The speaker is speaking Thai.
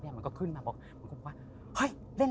พี่ยังไม่ได้เลิกแต่พี่ยังไม่ได้เลิก